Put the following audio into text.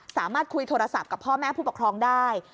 สามารถคุยโทรศัพท์กับพ่อแม่ผู้ปกครองได้